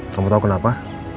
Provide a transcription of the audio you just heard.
kamu tau kenapa